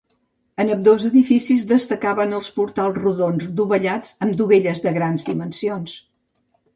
En ambdós edificis destacaven els portals rodons dovellats amb dovelles de grans dimensions.